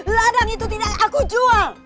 ladang itu tidak aku jual